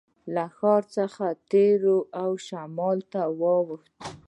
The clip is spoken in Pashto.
له ښار څخه تېر او شمال ته واوښتو.